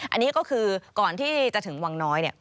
อันนี้ก็คือก่อนที่จะถึงวังน้อย